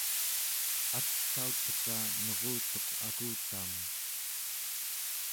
atsauteka nurutuq akutamun